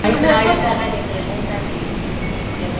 Original de Laura Visconti.